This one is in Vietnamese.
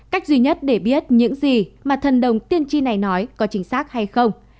cách duy nhất để biết những gì mà thần đồng tiên tri này nói có chính xác hay không